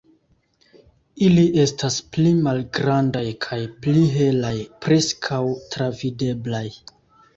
Ili estas pli malgrandaj kaj pli helaj, preskaŭ travideblaj.